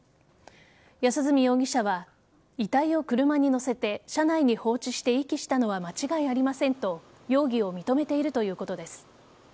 安栖容疑者は遺体を車に乗せて車内に放置して遺棄したのは間違いありませんと容疑を認めているということです。